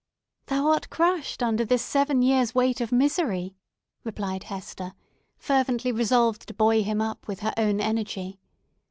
"Thou art crushed under this seven years' weight of misery," replied Hester, fervently resolved to buoy him up with her own energy.